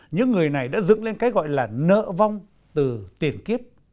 những người này đã dựng lên cái gọi là nợ vong từ tiền kiếp